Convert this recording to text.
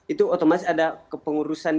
itu otomatis ada kepengurusan